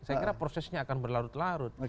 saya kira prosesnya akan berlarut larut